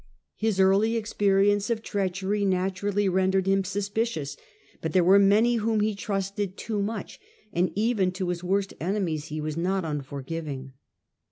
His early experience of treachery naturally rendered him suspicious, but there were many whom he trusted too much, and even to his worst enemies he was not unforgiving.